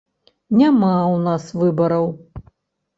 Няма ў нас выбараў.